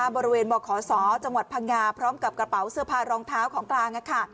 บขศจังหวัดพังงาพร้อมกับกระเป๋าเสื้อผ้ารองเท้าของกลาง